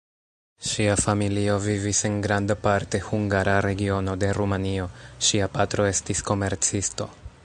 Ŝia familio vivis en grandparte hungara regiono de Rumanio; ŝia patro estis komercisto.